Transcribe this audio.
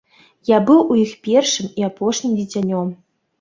Я быў у іх першым і апошнім дзіцянём.